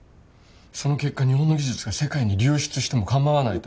その結果日本の技術が世界に流出しても構わないと？